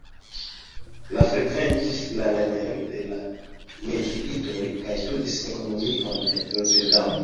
Li frekventis lernejon de la jezuitoj kaj studis ekonomion en Roterdamo.